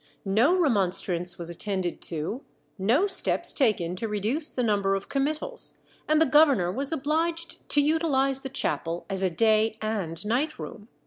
No remonstrance was attended to, no steps taken to reduce the number of committals, and the governor was obliged to utilize the chapel as a day and night room.